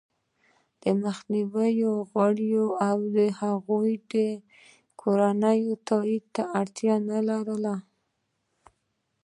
مخکینیو غړو او د هغوی کورنیو تایید ته اړتیا نه لرله